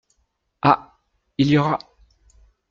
Ah !… il y aura…